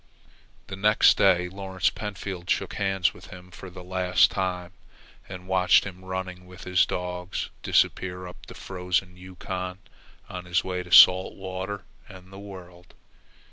The next day Lawrence Pentfield shook hands with him for the last time and watched him, running with his dogs, disappear up the frozen Yukon on his way to salt water and the world.